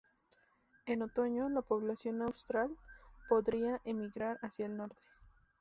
En otoño, la población austral podría emigrar hacia el norte.